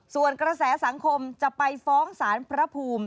ส่วนกระแสสังคมจะไปฟ้องสารพระภูมิ